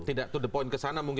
tidak to the point kesana mungkin